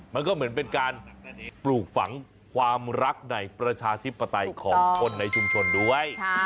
มันก็เหมือนเป็นการปลูกฝังความรักในประชาธิปไตยของคนในชุมชนด้วย